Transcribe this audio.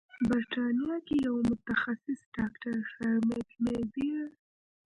بریتانیا کې یو متخصص ډاکتر سرمید میزیر